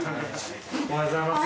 おはようございます。